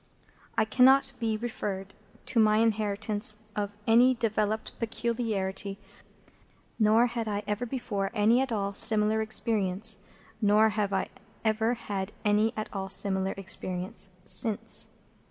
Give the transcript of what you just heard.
It cannot be referred to my inheritance of any developed peculiarity, nor had I ever before any at all similar experience, nor have I ever had any at all similar experience since.